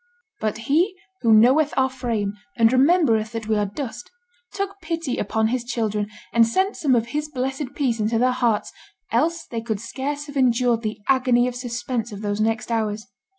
But He 'who knoweth our frame, and remembereth that we are dust,' took pity upon His children, and sent some of His blessed peace into their hearts, else they could scarce have endured the agony of suspense of those next hours.